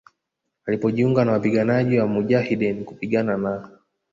alipojiunga na wapiganaji wa mujahideen kupigana na